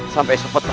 sampai esok petah